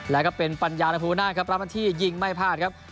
แล้วก็เป็นปัญญารัมภูมินาธรรมประมาทที่ยิงไม่พลาดครับ